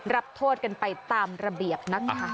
รับโทษกันไปตามระเบียบนะคะ